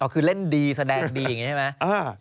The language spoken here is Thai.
คือเล่นดีแสดงดีอย่างนี้ใช่ไหม